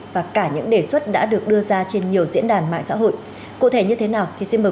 và cả những đề xuất đã được đưa ra trên nhiều diễn đàn mạng xã hội cụ thể như thế nào thì xin mời